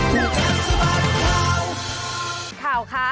ข่าวค่ะ